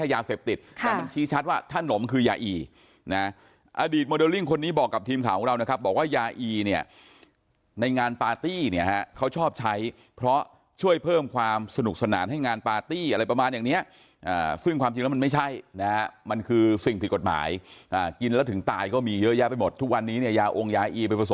ยาเสพติดแต่มันชี้ชัดว่าถ้านมคือยาอีนะอดีตโมเดลลิ่งคนนี้บอกกับทีมข่าวของเรานะครับบอกว่ายาอีเนี่ยในงานปาร์ตี้เนี่ยฮะเขาชอบใช้เพราะช่วยเพิ่มความสนุกสนานให้งานปาร์ตี้อะไรประมาณอย่างเนี้ยซึ่งความจริงแล้วมันไม่ใช่นะฮะมันคือสิ่งผิดกฎหมายกินแล้วถึงตายก็มีเยอะแยะไปหมดทุกวันนี้เนี่ยยาองค์